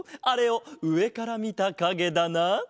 あれをうえからみたかげだな。